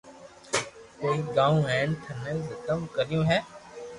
ھوئي گآو ھين ٿي زتم ڪريو ھي